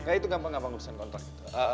nah itu gampang gampang urusan kontrak